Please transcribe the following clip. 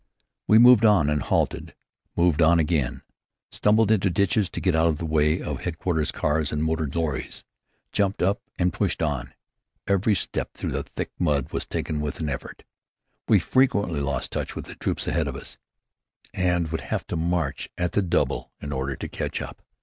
We moved on and halted, moved on again, stumbled into ditches to get out of the way of headquarters cars and motor lorries, jumped up and pushed on. Every step through the thick mud was taken with an effort. We frequently lost touch with the troops ahead of us and would have to march at the double in order to catch up.